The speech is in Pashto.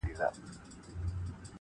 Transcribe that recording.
غوجله لا هم خاموشه ولاړه ده,